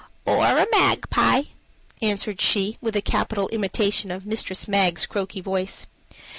"Or a magpie," answered she, with a capital imitation of Mistress Mag's croaky voice.